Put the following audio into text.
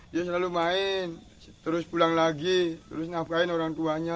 dia selalu main terus pulang lagi terus nafkahin orang tuanya